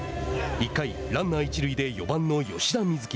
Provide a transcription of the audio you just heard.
１回、ランナー一塁で４番の吉田瑞樹。